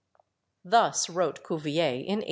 Thus wrote Cuvier in 1828.